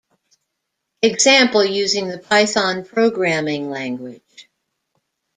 Example using the Python programming language.